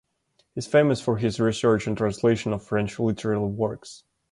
He is famous for his research and translation of French literary works.